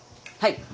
はい。